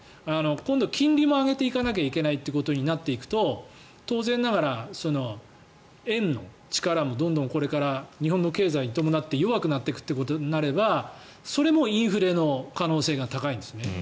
今度、金利も上げていかなきゃいけないということになっていくと当然ながら、円の力もどんどんこれから日本の経済に伴って弱くなっていくということになればそれもインフレの可能性が高いんですね。